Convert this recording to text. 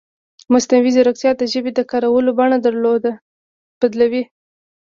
مصنوعي ځیرکتیا د ژبې د کارولو بڼه بدلوي.